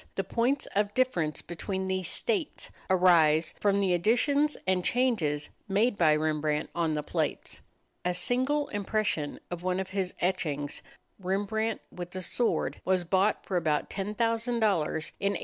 The points of difference between these "states" arise from the additions and changes made by Rembrandt on the plates. A single impression of one of his etchings, "Rembrandt with a Sword," was bought for about $10,000 in 1893.